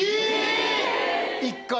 １回。